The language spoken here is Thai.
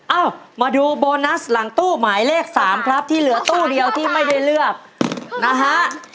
เอ้ามาดูโบนัสหลังตู้หมายเลข๓ครับที่เหลือตู้เดียวที่ไม่ได้เลือกนะฮะ